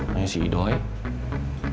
tanya si ido eh